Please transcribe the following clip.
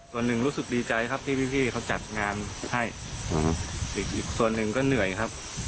ส่วนหนึ่งรู้สึกดีใจครับที่พี่เขาจัดงานให้อีกส่วนหนึ่งก็เหนื่อยครับ